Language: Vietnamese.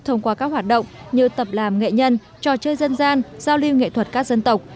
thông qua các hoạt động như tập làm nghệ nhân trò chơi dân gian giao lưu nghệ thuật các dân tộc